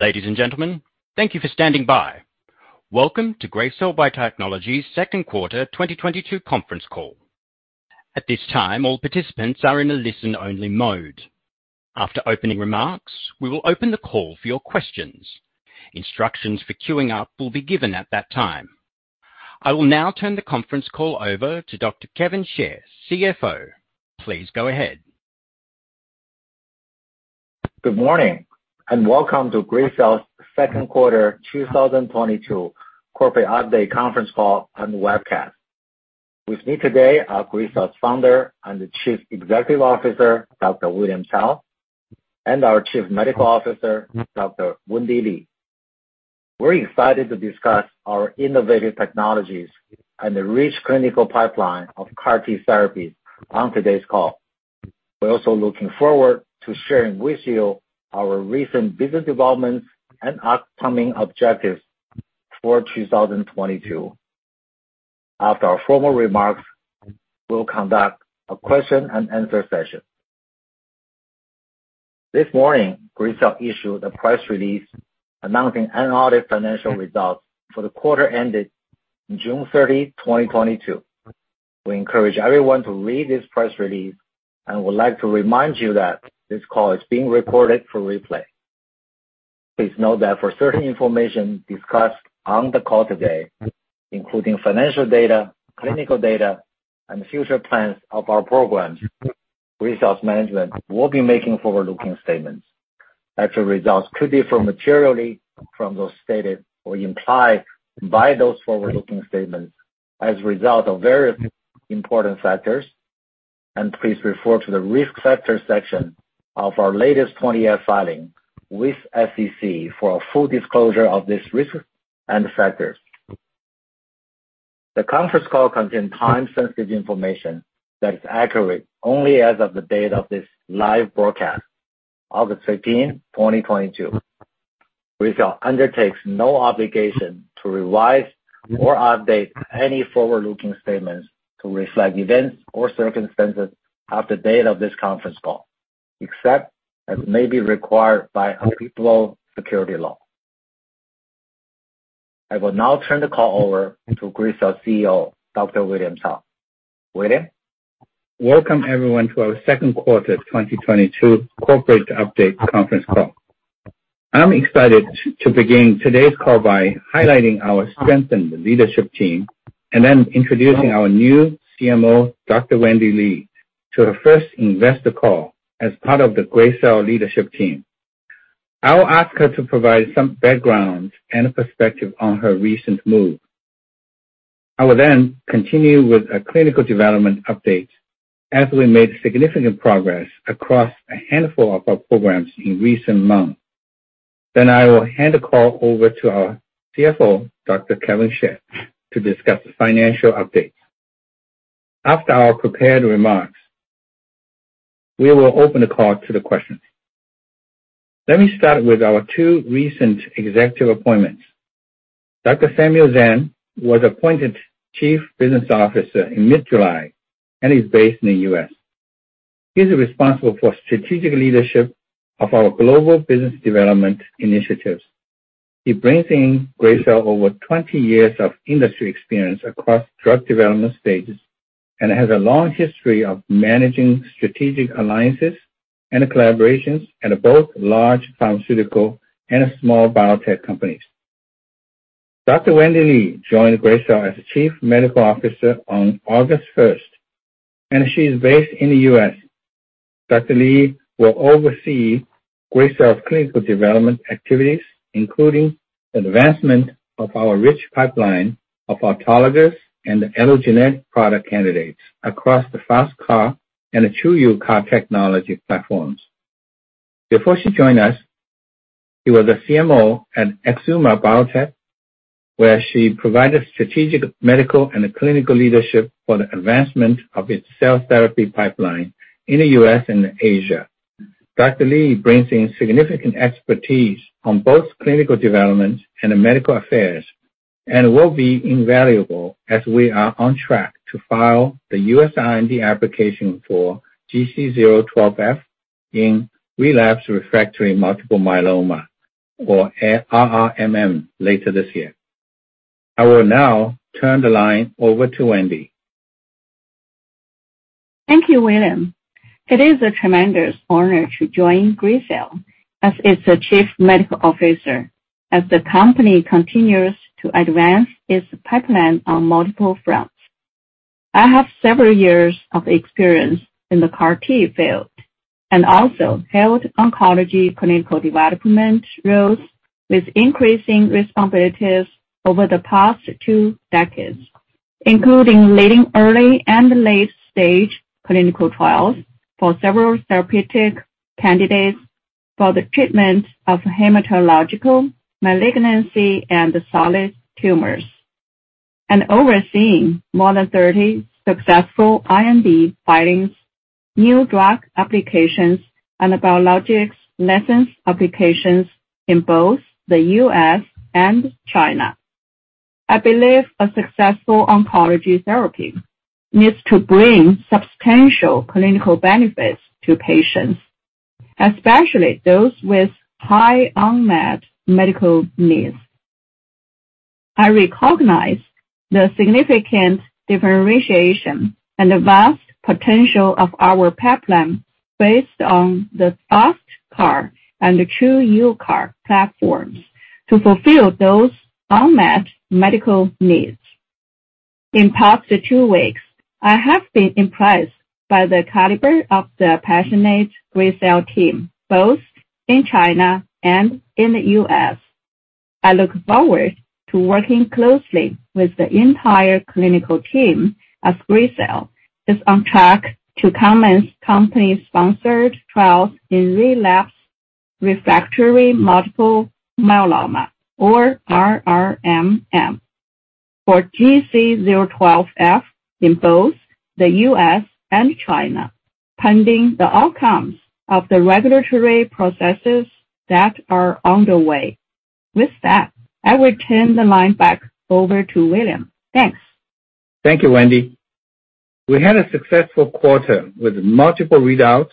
Ladies and gentlemen, thank you for standing by. Welcome to Gracell Biotechnologies' second quarter 2022 conference call. At this time, all participants are in a listen-only mode. After opening remarks, we will open the call for your questions. Instructions for queuing up will be given at that time. I will now turn the conference call over to Dr. Kevin Xie, CFO. Please go ahead. Good morning, and welcome to Gracell's second quarter 2022 corporate update conference call and webcast. With me today are Gracell's founder and the Chief Executive Officer, Dr. William Cao, and our Chief Medical Officer, Dr. Wendy Li. We're excited to discuss our innovative technologies and the rich clinical pipeline of CAR T therapy on today's call. We're also looking forward to sharing with you our recent business developments and upcoming objectives for 2022. After our formal remarks, we'll conduct a question and answer session. This morning, Gracell issued a press release announcing unaudited financial results for the quarter ended June 30, 2022. We encourage everyone to read this press release and would like to remind you that this call is being recorded for replay. Please note that for certain information discussed on the call today, including financial data, clinical data, and future plans of our programs, Gracell's management will be making forward-looking statements. Actual results could differ materially from those stated or implied by those forward-looking statements as a result of various important factors, and please refer to the Risk Factors section of our latest 20-F filing with the SEC for a full disclosure of this risk and factors. The conference call contains time-sensitive information that is accurate only as of the date of this live broadcast, August 13, 2022. Gracell undertakes no obligation to revise or update any forward-looking statements to reflect events or circumstances after date of this conference call, except as may be required by applicable securities law. I will now turn the call over to Gracell's CEO, Dr. William Wei Cao. William? Welcome everyone to our Q2 2022 corporate update conference call. I'm excited to begin today's call by highlighting our strengthened leadership team and then introducing our new CMO, Dr. Wendy Li, to her first investor call as part of the Gracell leadership team. I will ask her to provide some background and a perspective on her recent move. I will then continue with a clinical development update as we made significant progress across a handful of our programs in recent months. I will hand the call over to our CFO, Dr. Kevin Yili Xie, to discuss the financial updates. After our prepared remarks, we will open the call to the questions. Let me start with our two recent executive appointments. Dr. Samuel Zhang was appointed Chief Business Officer in mid-July and is based in the U.S. He's responsible for strategic leadership of our global business development initiatives. He brings in Gracell over 20 years of industry experience across drug development stages and has a long history of managing strategic alliances and collaborations at both large pharmaceutical and small biotech companies. Dr. Wendy Li joined Gracell as Chief Medical Officer on August first, and she is based in the U.S. Dr. Li will oversee Gracell's clinical development activities, including the advancement of our rich pipeline of autologous and allogeneic product candidates across the FasTCAR and the TruUCAR technology platforms. Before she joined us, she was a CMO at EXUMA Biotech, where she provided strategic medical and clinical leadership for the advancement of its cell therapy pipeline in the U.S. and Asia. Dr. Li brings in significant expertise on both clinical development and medical affairs and will be invaluable as we are on track to file the U.S. IND application for GC012F in relapsed refractory multiple myeloma, or RRMM, later this year. I will now turn the line over to Wendy. Thank you, William. It is a tremendous honor to join Gracell as its chief medical officer as the company continues to advance its pipeline on multiple fronts. I have several years of experience in the CAR T field and also held oncology clinical development roles with increasing responsibilities over the past two decades, including leading early and late-stage clinical trials for several therapeutic candidates for the treatment of hematological malignancy and solid tumors, and overseeing more than 30 successful IND filings, new drug applications, and biologics license applications in both the U.S. and China. I believe a successful oncology therapy needs to bring substantial clinical benefits to patients, especially those with high unmet medical needs. I recognize the significant differentiation and the vast potential of our pipeline based on the FasTCAR and the TruUCAR platforms to fulfill those unmet medical needs. In the past two weeks, I have been impressed by the caliber of the passionate Gracell team, both in China and in the U.S. I look forward to working closely with the entire clinical team as Gracell is on track to commence company-sponsored trials in relapsed refractory multiple myeloma, or RRMM, for GC012F in both the U.S. and China, pending the outcomes of the regulatory processes that are underway. With that, I will turn the line back over to William. Thanks. Thank you, Wendy. We had a successful quarter with multiple readouts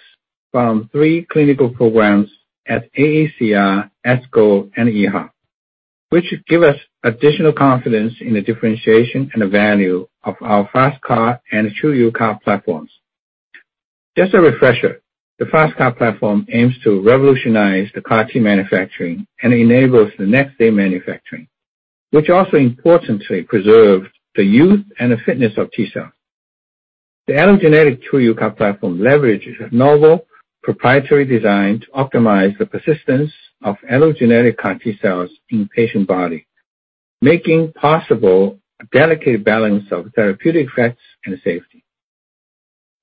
from three clinical programs at AACR, ASCO, and EHA, which give us additional confidence in the differentiation and the value of our FasTCAR and TruUCAR platforms. Just a refresher, the FasTCAR platform aims to revolutionize the CAR T manufacturing and enables the next-day manufacturing, which also importantly preserves the youth and the fitness of T-cell. The allogeneic TruUCAR platform leverages a novel proprietary design to optimize the persistence of allogeneic CAR T-cells in patient body, making possible a delicate balance of therapeutic effects and safety.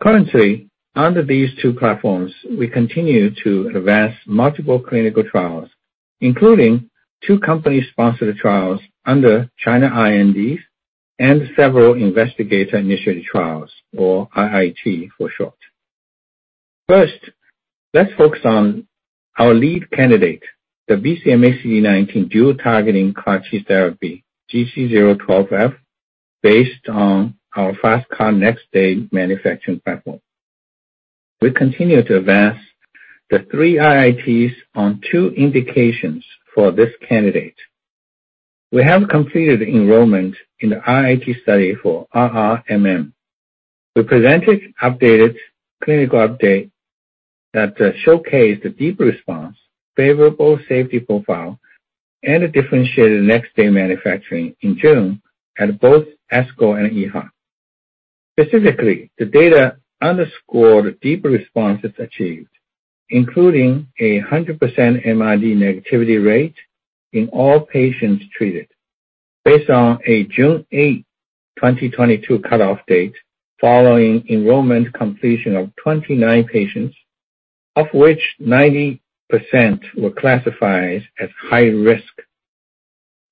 Currently, under these two platforms, we continue to advance multiple clinical trials, including two company-sponsored trials under China INDs and several investigator-initiated trials, or IIT for short. First, let's focus on our lead candidate, the BCMA/CD19 dual-targeting CAR-T therapy, GC012F, based on our FasTCAR next-day manufacturing platform. We continue to advance the three IITs on two indications for this candidate. We have completed enrollment in the IIT study for RRMM. We presented updated clinical update that showcase the deep response, favorable safety profile, and a differentiated next-day manufacturing in June at both ASCO and EHA. Specifically, the data underscored deep responses achieved, including a 100% MRD negativity rate in all patients treated based on a June 8, 2022 cutoff date following enrollment completion of 29 patients, of which 90% were classified as high risk.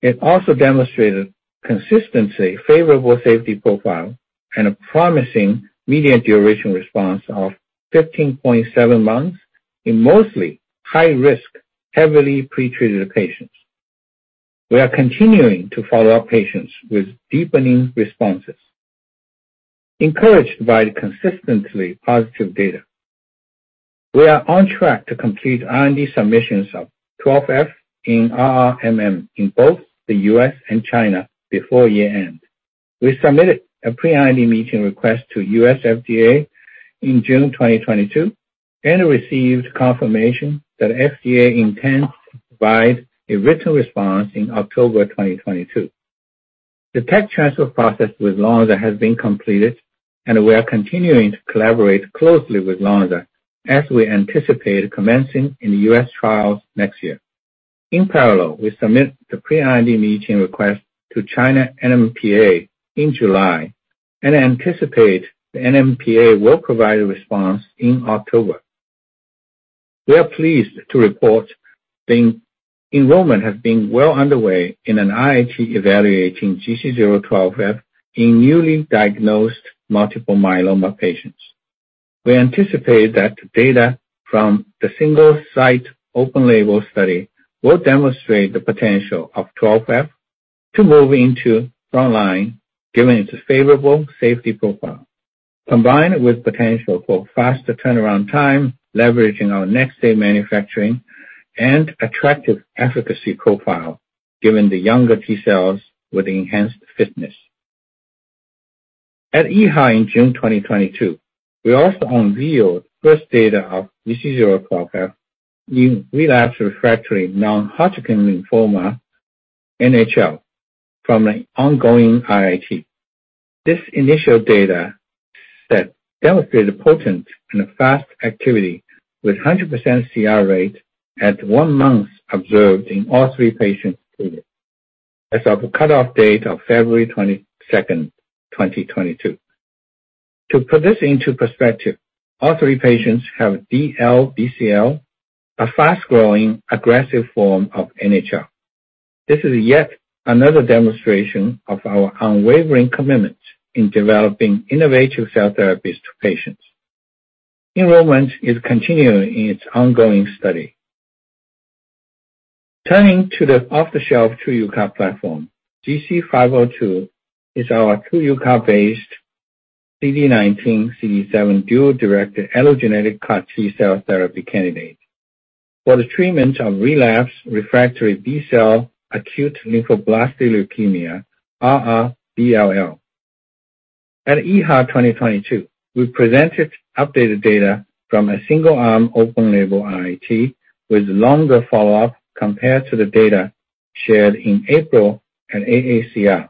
It also demonstrated consistency, favorable safety profile, and a promising median duration response of 15.7 months in mostly high risk, heavily pretreated patients. We are continuing to follow up patients with deepening responses. Encouraged by the consistently positive data, we are on track to complete IND submissions of GC012F in RRMM in both the U.S. and China before year-end. We submitted a pre-IND meeting request to U.S. FDA in June 2022 and received confirmation that FDA intends to provide a written response in October 2022. The tech transfer process with Lonza has been completed, and we are continuing to collaborate closely with Lonza as we anticipate commencing in the U.S. trials next year. In parallel, we submit the pre-IND meeting request to China NMPA in July and anticipate the NMPA will provide a response in October. We are pleased to report the enrollment has been well underway in an IIT evaluating GC012F in newly diagnosed multiple myeloma patients. We anticipate that data from the single site open label study will demonstrate the potential of GC012F to move into frontline given its favorable safety profile, combined with potential for faster turnaround time, leveraging our next-day manufacturing and attractive efficacy profile given the younger T-cells with enhanced fitness. At EHA in June 2022, we also unveiled first data of GC012F in relapsed/refractory non-Hodgkin lymphoma, NHL, from an ongoing IIT. This initial data set demonstrated potent and fast activity with 100% CR rate at one month observed in all three patients treated as of cutoff date of February 22nd, 2022. To put this into perspective, all three patients have DLBCL, a fast-growing, aggressive form of NHL. This is yet another demonstration of our unwavering commitment in developing innovative cell therapies to patients. Enrollment is continuing in its ongoing study. Turning to the off-the-shelf TruUCAR platform, GC502 is our TruUCAR-based CD19/CD7 dual-directed allogeneic CAR-T cell therapy candidate for the treatment of relapsed/refractory B-cell acute lymphoblastic leukemia, R/R B-ALL. At EHA 2022, we presented updated data from a single-arm open label IIT with longer follow-up compared to the data shared in April at AACR.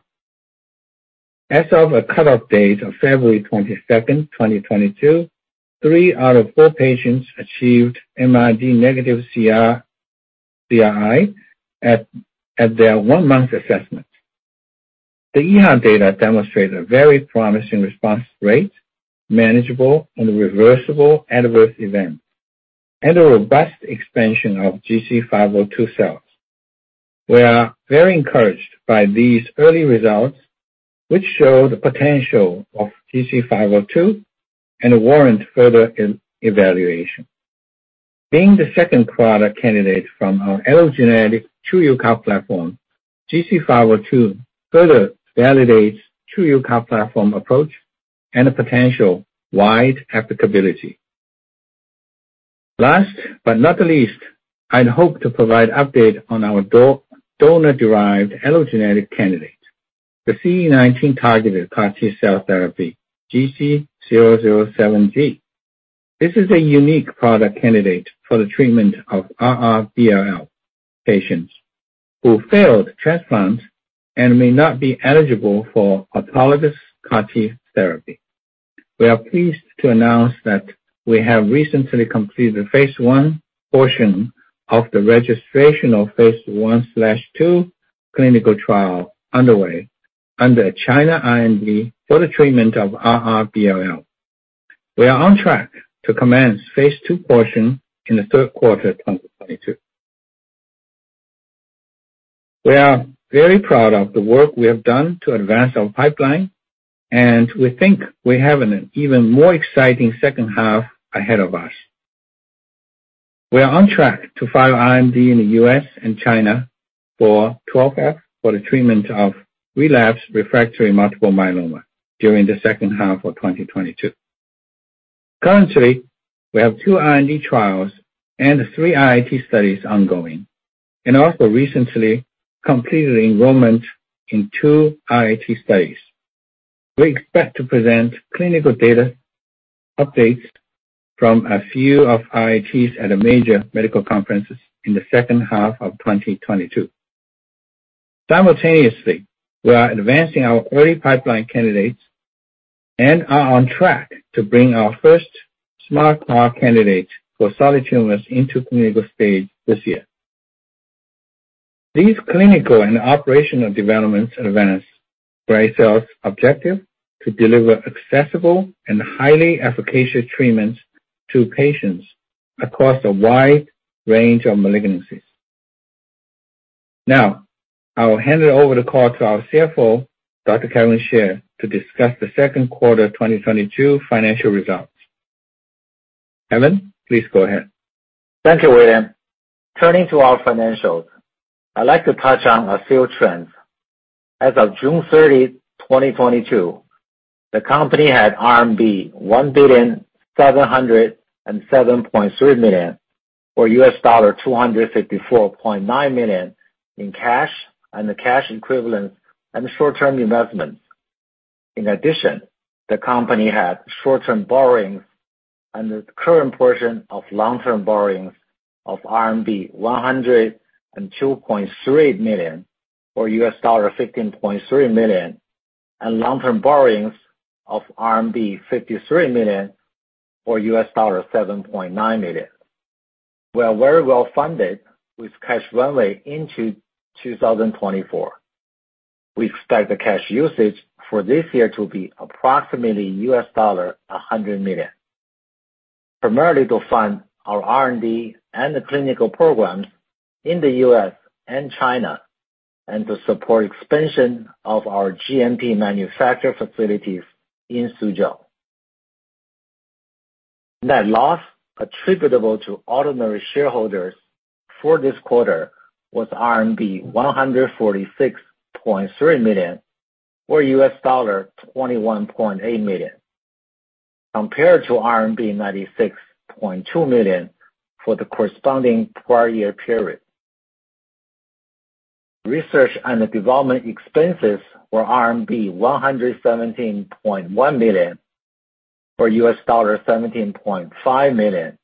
As of a cutoff date of February 22, 2022, three out of four patients achieved MRD-negative CR/CRi at their one-month assessment. The EHA data demonstrated a very promising response rate, manageable and reversible adverse event, and a robust expansion of GC502 cells. We are very encouraged by these early results, which show the potential of GC502 and warrant further evaluation. Being the second product candidate from our allogeneic TruUCAR platform, GC502 further validates TruUCAR platform approach and a potential wide applicability. Last but not least, I'd hope to provide update on our donor-derived allogeneic candidate, the CD19-targeted CAR-T cell therapy, GC007g. This is a unique product candidate for the treatment of R/R B-ALL patients who failed transplant and may not be eligible for autologous CAR-T therapy. We are pleased to announce that we have recently completed the phase I portion of the registrational phase I/II clinical trial underway under China IND for the treatment of R/R B-ALL. We are on track to commence phase II portion in the third quarter of 2022. We are very proud of the work we have done to advance our pipeline, and we think we have an even more exciting second half ahead of us. We are on track to file IND in the U.S. and China for GC012F for the treatment of relapsed refractory multiple myeloma during the second half of 2022. Currently, we have two IND trials and three IIT studies ongoing, and also recently completed enrollment in two IIT studies. We expect to present clinical data updates from a few of IITs at major medical conferences in the second half of 2022. Simultaneously, we are advancing our early pipeline candidates and are on track to bring our first SMART CAR candidate for solid tumors into clinical stage this year. These clinical and operational developments advance Gracell's objective to deliver accessible and highly efficacious treatments to patients across a wide range of malignancies. Now, I will hand over the call to our CFO, Dr. Kevin, to discuss the second quarter 2022 financial results. Kevin, please go ahead. Thank you, William. Turning to our financials, I'd like to touch on a few trends. As of June 30th, 2022, the company had RMB 1,707.3 million, or $254.9 million in cash and cash equivalents and short-term investments. In addition, the company had short-term borrowings and the current portion of long-term borrowings of RMB 102.3 million, or $15.3 million, and long-term borrowings of RMB 53 million, or $7.9 million. We are very well funded with cash runway into 2024. We expect the cash usage for this year to be approximately $100 million, primarily to fund our R&D and the clinical programs in the US and China, and to support expansion of our GMP manufacturing facilities in Suzhou. Net loss attributable to ordinary shareholders for this quarter was RMB 146.3 million, or $21.8 million, compared to RMB 96.2 million for the corresponding prior year period. Research and development expenses were RMB 117.1 million, or $17.5 million,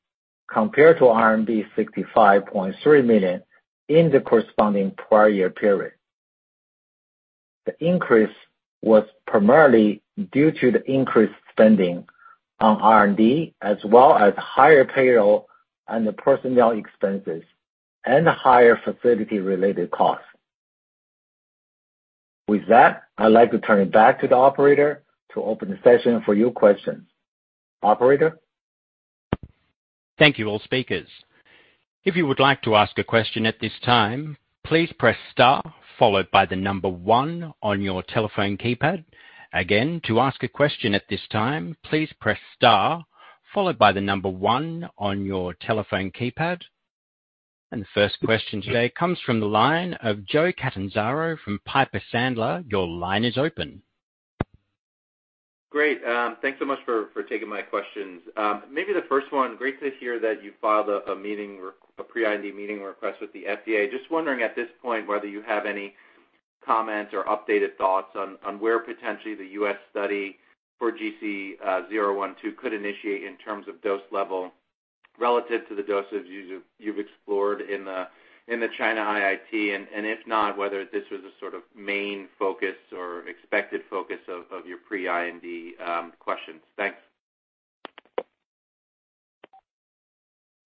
compared to RMB 65.3 million in the corresponding prior year period. The increase was primarily due to the increased spending on R&D, as well as higher payroll and the personnel expenses, and higher facility related costs. With that, I'd like to turn it back to the operator to open the session for your questions. Operator? Thank you all speakers. If you would like to ask a question at this time, please press star followed by the number one on your telephone keypad. Again, to ask a question at this time, please press star followed by the number one on your telephone keypad. The first question today comes from the line of Joseph Catanzaro from Piper Sandler. Your line is open. Great. Thanks so much for taking my questions. Maybe the first one, great to hear that you filed a pre-IND meeting request with the FDA. Just wondering at this point whether you have any comments or updated thoughts on where potentially the U.S. study for GC zero one two could initiate in terms of dose level relative to the doses you've explored in the China IIT. If not, whether this was a sort of main focus or expected focus of your pre-IND questions. Thanks.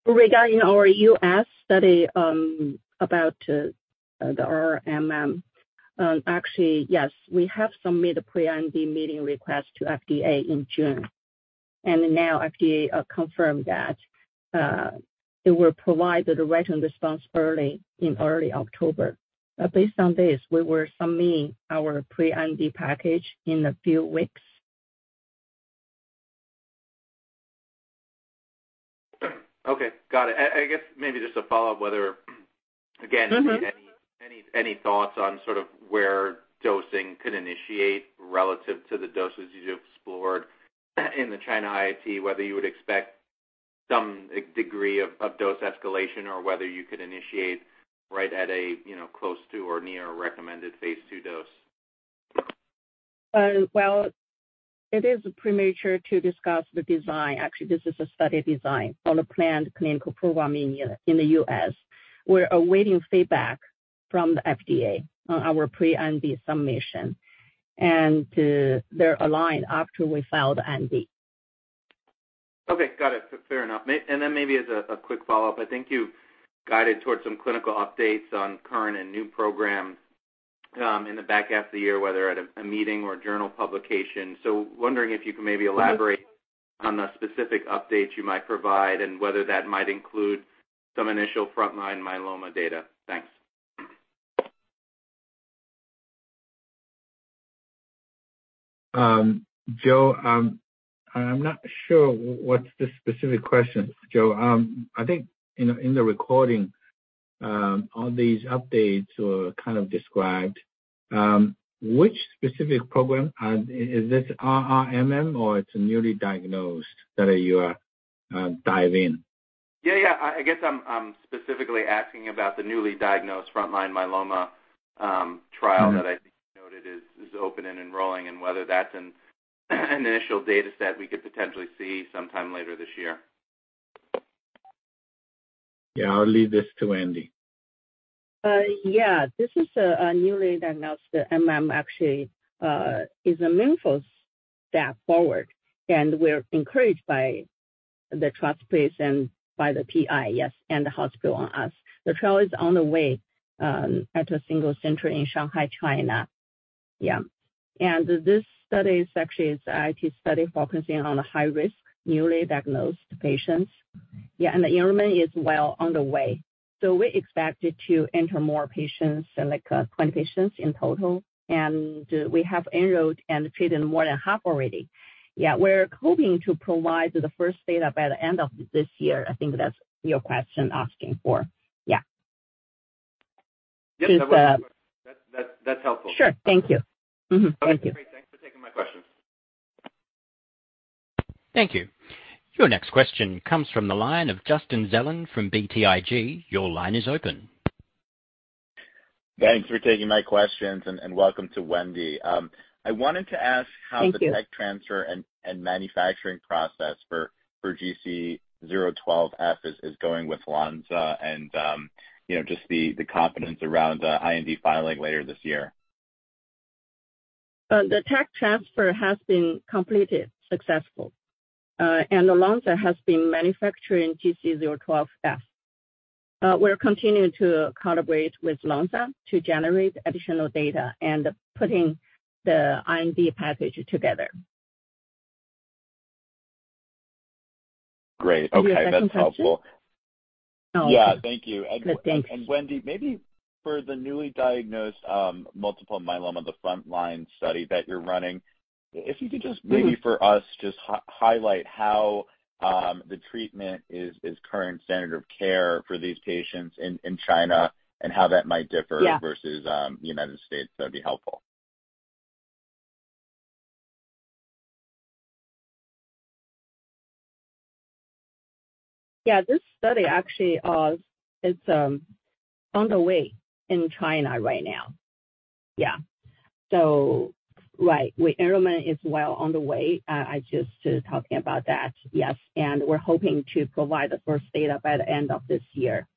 Regarding our US study about the RRMM, actually, yes, we have submitted pre-IND meeting request to FDA in June. Now FDA confirmed that they will provide the written response early, in early October. Based on this, we will submit our pre-IND package in a few weeks. Okay. Got it. I guess maybe just a follow-up whether, again. Mm-hmm. Any thoughts on sort of where dosing could initiate relative to the doses you've explored in the China IIT, whether you would expect some degree of dose escalation or whether you could initiate right at a, you know, close to or near recommended phase II dose? Well, it is premature to discuss the design. Actually, this is a study design on a planned clinical program in the U.S. We're awaiting feedback from the FDA on our pre-IND submission, and they're aligned after we file the IND. Okay. Got it. Fair enough. Maybe as a quick follow-up, I think you guided towards some clinical updates on current and new programs in the back half of the year, whether at a meeting or a journal publication. Wondering if you could maybe elaborate. Mm-hmm. On the specific updates you might provide and whether that might include some initial frontline myeloma data? Thanks. Joe, I'm not sure what's the specific question, Joe. I think in the recording, all these updates were kind of described. Which specific program is this RRMM or it's newly diagnosed that you are diving? Yeah, yeah. I guess I'm specifically asking about the newly diagnosed frontline myeloma? Mm-hmm. Trial that I think you noted is open and enrolling and whether that's an initial data set we could potentially see sometime later this year. Yeah. I'll leave this to Wendy. This is a newly diagnosed MM actually is a meaningful step forward, and we're encouraged by the trust placed and by the PI, yes, and the hospital on us. The trial is on the way at a single center in Shanghai, China. This study is actually IIT study focusing on high risk, newly diagnosed patients, and the enrollment is well on the way. We're expected to enter more patients, so like, 20 patients in total. We have enrolled and treated more than half already. We're hoping to provide the first data by the end of this year. I think that's your question asking for. Yes, that was. It's. That's helpful. Sure. Thank you. Mm-hmm. Okay. Thank you. Great. Thanks for taking my questions. Thank you. Your next question comes from the line of Justin Zelin from BTIG. Your line is open. Thanks for taking my questions and welcome to Wendy. I wanted to ask- Thank you. How the tech transfer and manufacturing process for GC012F is going with Lonza and, you know, just the confidence around the IND filing later this year? The tech transfer has been completed successfully, and Lonza has been manufacturing GC012F. We're continuing to collaborate with Lonza to generate additional data and putting the IND package together. Great. Okay. Is there a second question? That's helpful. No. Yeah. Thank you. Good. Thanks. Wendy, maybe for the newly diagnosed multiple myeloma, the frontline study that you're running, if you could just. Mm-hmm. Maybe for us, just highlight how the treatment is current standard of care for these patients in China and how that might differ. Yeah. Versus, United States, that'd be helpful. This study actually is on the way in China right now. Enrollment is well on the way. I was just talking about that. We're hoping to provide the first data by the end of this year.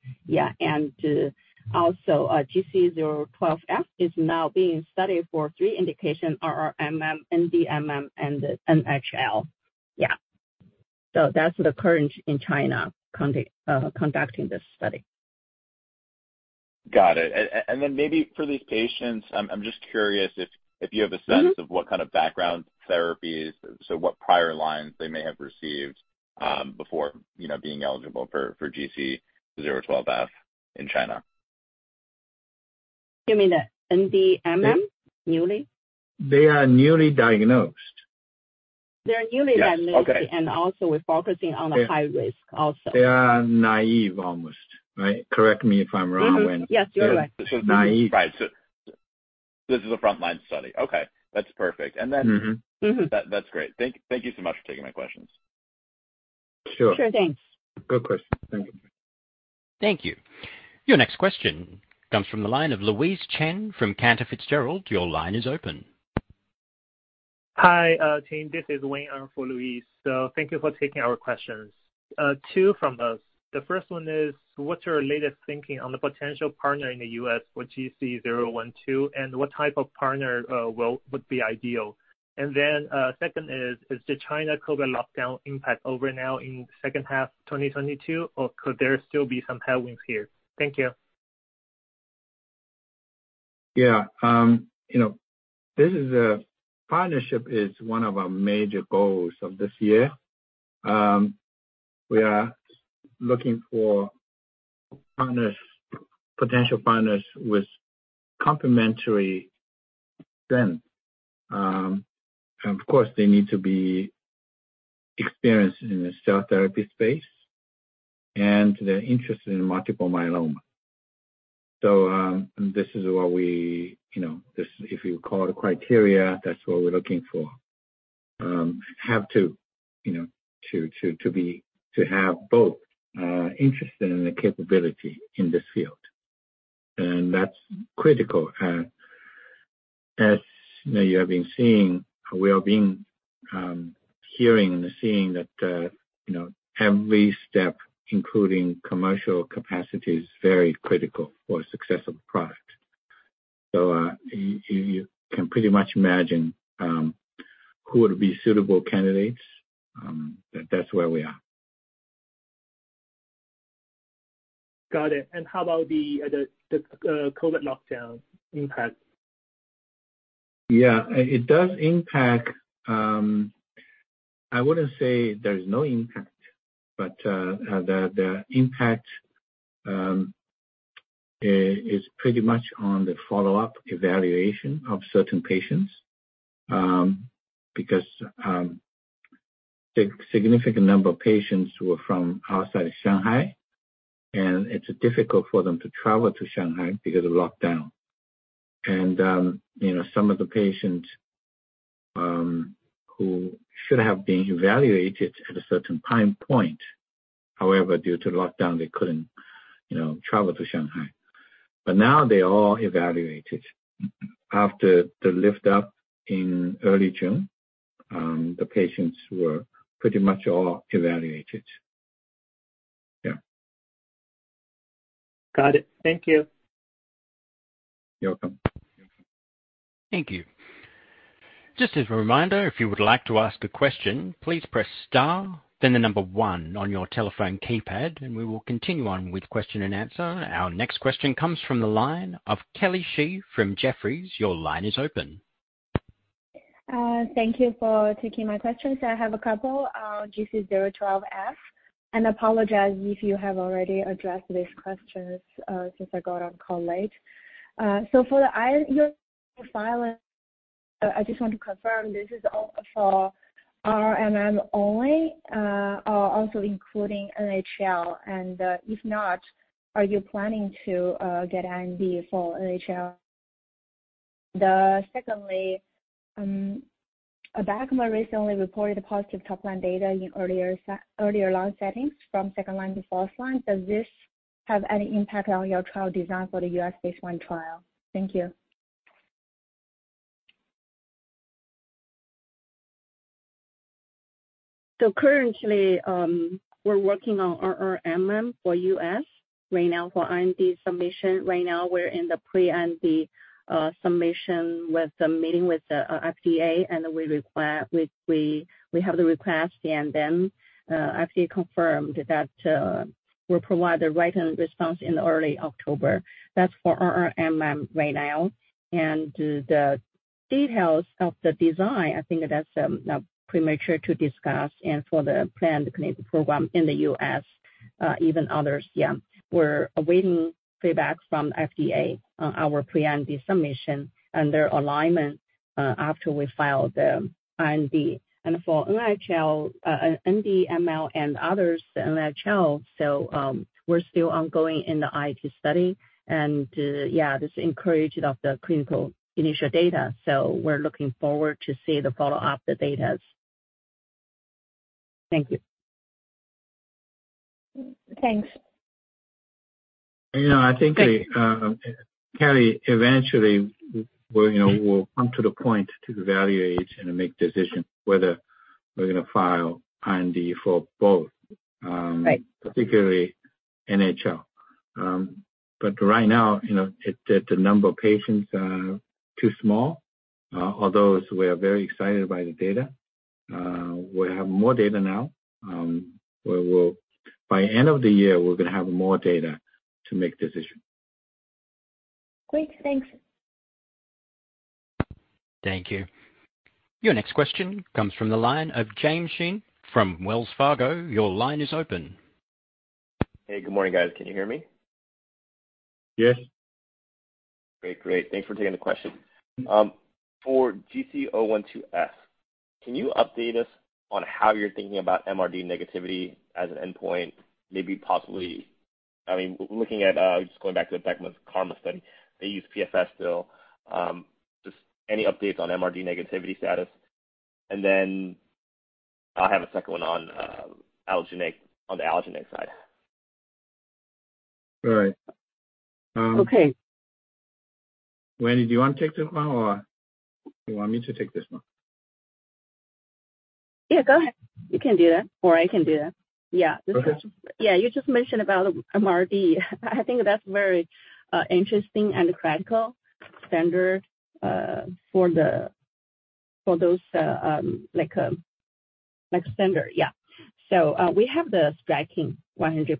Also, GC012F is now being studied for three indications RRMM, NDMM, and NHL. That's the current in China conducting this study. Got it. Maybe for these patients, I'm just curious if you have a sense. Mm-hmm. of what kind of background therapies, so what prior lines they may have received, before, you know, being eligible for GC012F in China. You mean the NDMM, newly? They are newly diagnosed. They are newly diagnosed. Yes. Okay. Also we're focusing on the high risk also. They are naive almost, right? Correct me if I'm wrong. Yes, you're right. Naive. Right. This is a frontline study. Okay, that's perfect. Mm-hmm. Mm-hmm. That's great. Thank you so much for taking my questions. Sure. Sure. Thanks. Good question. Thank you. Thank you. Your next question comes from the line of Louise Chen from Cantor Fitzgerald. Your line is open. Hi, team. This is Wayne Ang for Louise Chen. Thank you for taking our questions. Two from us. The first one is what's your latest thinking on the potential partner in the U.S. for GC012, and what type of partner would be ideal? Second is the China COVID lockdown impact over now in second half 2022, or could there still be some headwinds here? Thank you. Yeah. You know, partnership is one of our major goals of this year. We are looking for partners, potential partners with complementary strength. Of course, they need to be experienced in the cell therapy space, and they're interested in multiple myeloma. This is what we, you know, this, if you call it criteria, that's what we're looking for. Have to, you know, to have both interest and the capability in this field. That's critical. As you know, you have been seeing or we have been hearing and seeing that, you know, every step, including commercial capacity, is very critical for success of the product. You can pretty much imagine who would be suitable candidates, but that's where we are. Got it. How about the COVID lockdown impact? Yeah. It does impact. I wouldn't say there's no impact, but the impact is pretty much on the follow-up evaluation of certain patients, because significant number of patients who are from outside of Shanghai, and it's difficult for them to travel to Shanghai because of lockdown. You know, some of the patients who should have been evaluated at a certain time point, however, due to lockdown, they couldn't, you know, travel to Shanghai. Now they're all evaluated. After the lift up in early June, the patients were pretty much all evaluated. Yeah. Got it. Thank you. You're welcome. Thank you. Just as a reminder, if you would like to ask a question, please press star then the number one on your telephone keypad, and we will continue on with question and answer. Our next question comes from the line of Kelly Shi from Jefferies. Your line is open. Thank you for taking my questions. I have a couple on GC012F, and apologize if you have already addressed these questions, since I got on call late. So for the IR profile, I just want to confirm this is all for RRMM only, or also including NHL. If not, are you planning to get IND for NHL? Secondly, BeiGene recently reported a positive top-line data in earlier line settings from second line to fourth line. Does this have any impact on your trial design for the U.S. phase I trial? Thank you. Currently, we're working on RRMM for U.S. right now for IND submission. Right now we're in the pre-IND submission with the meeting with the FDA, and we have the request, and then FDA confirmed that we'll provide the written response in early October. That's for RRMM right now. The details of the design, I think that's premature to discuss. For the planned clinical program in the US, even others, yeah, we're awaiting feedback from FDA on our pre-IND submission and their alignment after we file the IND. For NHL, NDMM and others, we're still ongoing in the IIT study and yeah, this encouraging initial clinical data. We're looking forward to see the follow-up data. Thank you. Thanks. You know, I think, Kelly, eventually we're, you know, we'll come to the point to evaluate and make decision whether we're gonna file IND for both. Right. Particularly NHL. Right now, the number of patients are too small, although we are very excited by the data. We have more data now. By end of the year, we're gonna have more data to make decision. Great. Thanks. Thank you. Your next question comes from the line of James Shin from Wells Fargo. Your line is open. Hey, good morning, guys. Can you hear me? Yes. Great. Thanks for taking the question. For GC012F, can you update us on how you're thinking about MRD negativity as an endpoint, maybe possibly, I mean, looking at just going back to the BCMA KarMMa study, they use PFS still. Just any updates on MRD negativity status. Then I'll have a second one on allogeneic, on the allogeneic side. All right. Okay. Wendy, do you wanna take this one, or you want me to take this one? Yeah, go ahead. You can do that, or I can do that. Yeah. Okay. Yeah, you just mentioned about MRD. I think that's very interesting and critical standard. Yeah. We have the striking 100%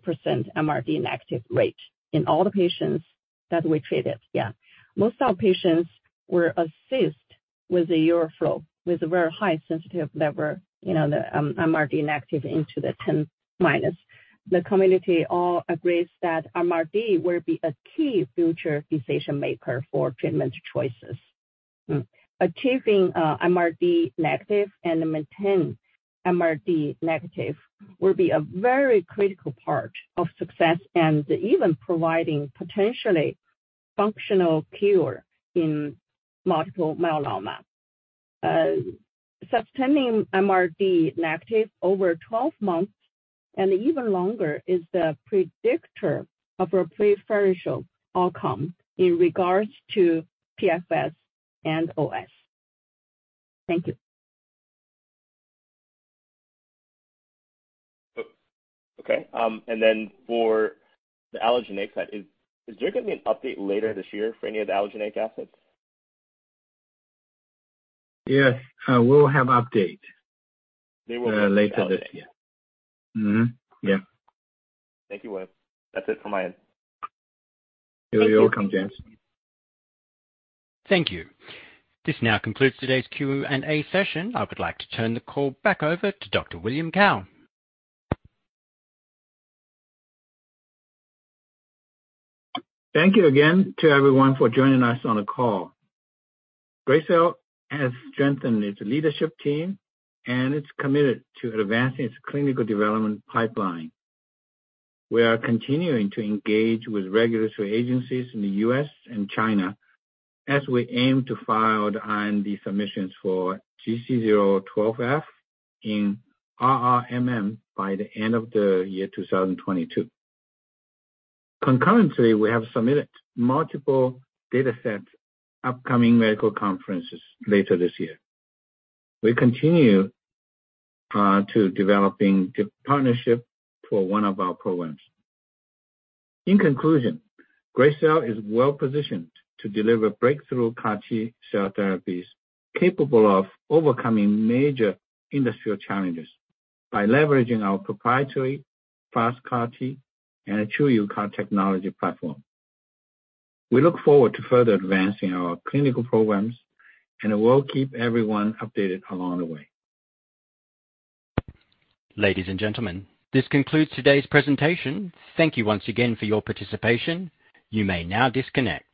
MRD negative rate in all the patients that we treated. Yeah. Most of our patients were assessed with a EuroFlow, with a very highly sensitive level, you know, the MRD negative into the 10 minutes. The community all agrees that MRD will be a key future decision-maker for treatment choices. Achieving MRD negative and maintain MRD negative will be a very critical part of success and even providing potentially functional cure in multiple myeloma. Sustaining MRD negative over 12 months and even longer is the predictor of a preferential outcome in regards to PFS and OS. Thank you. Okay. For the allogeneic side, is there gonna be an update later this year for any of the allogeneic assets? Yes. We'll have update. There will be an update. later this year. Mm-hmm. Yeah. Thank you, William Wei Cao. That's it from my end. You're welcome, James. Thank you. This now concludes today's Q&A session. I would like to turn the call back over to Dr. William Wei Cao. Thank you again to everyone for joining us on the call. Gracell has strengthened its leadership team, and it's committed to advancing its clinical development pipeline. We are continuing to engage with regulatory agencies in the U.S. and China as we aim to file the IND submissions for GC012F in RRMM by the end of the year 2022. Concurrently, we have submitted multiple datasets to upcoming medical conferences later this year. We continue to develop the partnership for one of our programs. In conclusion, Gracell is well-positioned to deliver breakthrough CAR-T cell therapies capable of overcoming major industrial challenges by leveraging our proprietary FasTCAR and TruUCAR technology platform. We look forward to further advancing our clinical programs, and we'll keep everyone updated along the way. Ladies and gentlemen, this concludes today's presentation. Thank you once again for your participation. You may now disconnect.